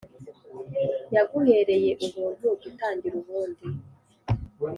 yaguhereye ubuntu; jya utangira ubundi!